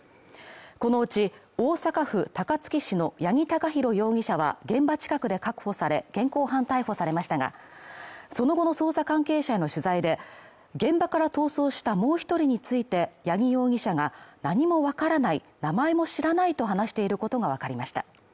このうち、大阪府高槻市の八木貴寛容疑者は、現場近くで確保され、現行犯逮捕されましたが、その後の捜査関係者への取材で、現場から逃走したもう１人について、八木容疑者が何もわからない名前も知らないと話していることがわかりました。